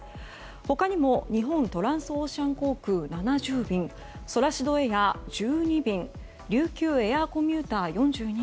他にも日本トランスオーシャン航空が７０便ソラシドエア、１２便琉球エアーコミューター４２